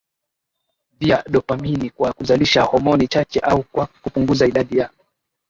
vya dopamini kwa kuzalisha homoni chache au kwa kupunguza idadi ya